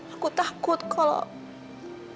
aku takut kalau